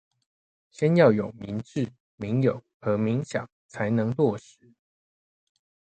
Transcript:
先要有民冶，民有和民享才能落實